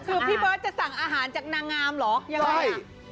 คือพี่เบิร์ตจะสั่งอาหารจากนางงามเหรอยังไงอ่ะ